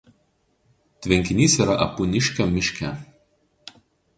Tvenkinys yra Apūniškio miške.